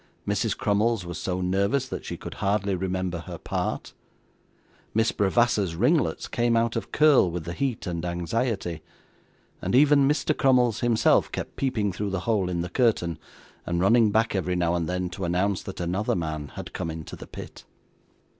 Mrs. Crummles was so nervous that she could hardly remember her part. Miss Bravassa's ringlets came out of curl with the heat and anxiety; even Mr. Crummles himself kept peeping through the hole in the curtain, and running back, every now and then, to announce that another man had come into the pit.